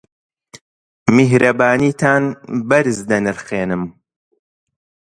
میهرەبانیتان بەرز دەنرخێنم.